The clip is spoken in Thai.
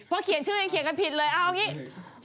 เพราะเขียนชื่อยังเขียนกันผิดเลยเอาอย่างนี้